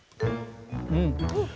うん。